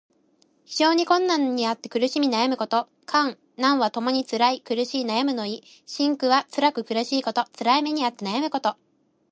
非常な困難にあって苦しみ悩むこと。「艱」「難」はともにつらい、苦しい、悩むの意。「辛苦」はつらく苦しいこと。つらい目にあって悩むこと。